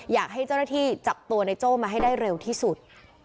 อยากให้เจ้าหน้าที่จับตัวในโจ้มาให้ได้เร็วที่สุด